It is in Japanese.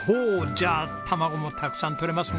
じゃあ卵もたくさんとれますね。